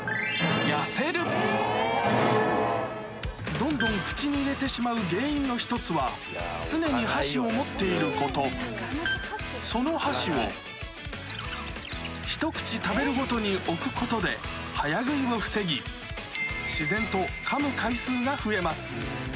どんどん口に入れてしまう原因の１つは常に箸を持っていることその箸をひと口食べるごとに置くことで早食いを防ぎ自然とかむ回数が増えます